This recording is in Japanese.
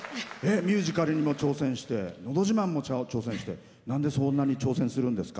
ミュージカルにも挑戦して「のど自慢」も挑戦してなんでそんなに挑戦するんです？